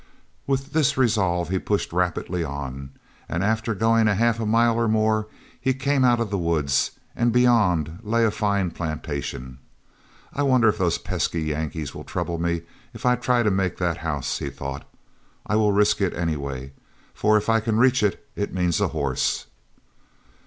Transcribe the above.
With this resolve he pushed rapidly on, and after going a half mile or more, he came out of the woods, and beyond lay a fine plantation. "I wonder if those pesky Yankees will trouble me if I try to make that house," he thought. "I will risk it anyway, for if I can reach it, it means a horse."